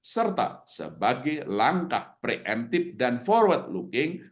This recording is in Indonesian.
serta sebagai langkah preventif dan forward looking